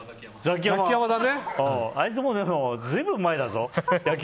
あいつ、随分前だぞ